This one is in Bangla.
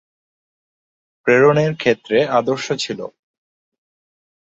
প্রেরণের ক্ষেত্রে আদর্শ ছিল।